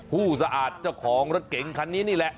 สะอาดเจ้าของรถเก๋งคันนี้นี่แหละ